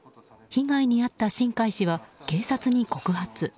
被害に遭った新開氏は警察に告発。